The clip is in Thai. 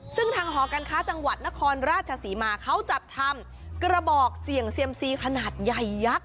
ซึ่งทางหอการค้าจังหวัดนครราชศรีมาเขาจัดทำกระบอกเสี่ยงเซียมซีขนาดใหญ่ยักษ์